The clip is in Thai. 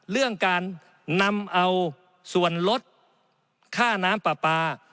เรื่องการนำเอาส่วนลดค่าน้ำปลาปลา